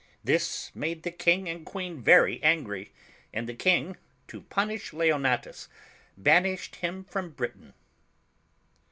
This made the King and Queen very angry, and the King, to punish Leonatus, banished him from Britain.